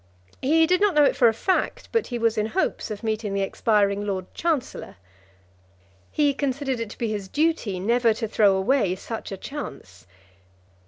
He did not know it for a fact, but he was in hopes of meeting the expiring Lord Chancellor. He considered it to be his duty never to throw away such a chance.